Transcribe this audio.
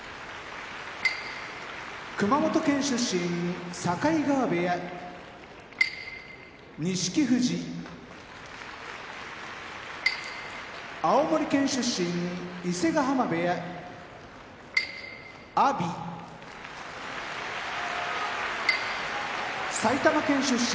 熊本県出身境川部屋錦富士青森県出身伊勢ヶ濱部屋阿炎埼玉県出身